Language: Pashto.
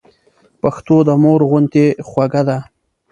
پښتو د مور غوندي خوږه ده.